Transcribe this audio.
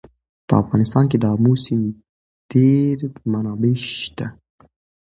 په افغانستان کې د آمو سیند ډېرې منابع شته.